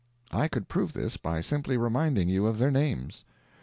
I could prove this by simply reminding you of their names.